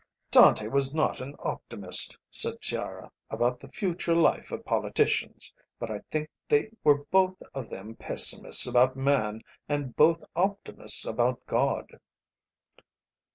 "Dante was not an optimist," said Sciarra, "about the future life of politicians. But I think they were both of them pessimists about man and both optimists about God."